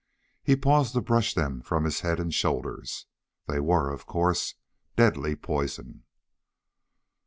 He paused to brush them from his head and shoulders. They were, of course, deadly poison.